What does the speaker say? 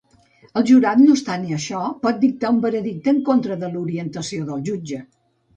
El jurat, no obstant això, pot dictar un veredicte en contra de l'orientació del jutge.